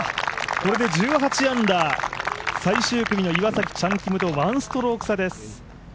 これで１８アンダー、最終組の岩崎、チャン・キムと１ストローク差です。